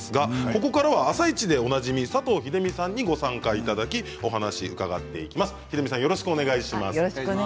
ここからは「あさイチ」でおなじみ佐藤秀美さんにご参加いただきお話を伺っていきます。